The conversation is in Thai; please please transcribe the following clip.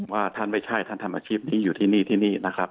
ว่าท่านไม่ใช่ท่านทำอาชีพนี้อยู่ที่นี่ที่นี่นะครับ